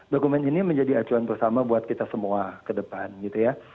dokumen ini menjadi acuan bersama buat kita semua ke depan gitu ya